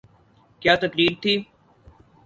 کیا تقریر تھی۔